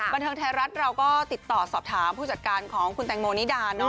บันเทิงไทยรัฐเราก็ติดต่อสอบถามผู้จัดการของคุณแตงโมนิดา